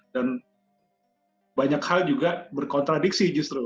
banyak hal juga berkontradiksi justru